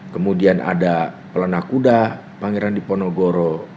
kemudian ada pelena kuda pangeran diponegoro